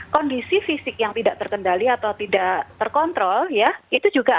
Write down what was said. kondisi fisik yang tidak terkendali atau tidak terkontrol ya itu juga